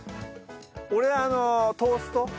俺あのトースト。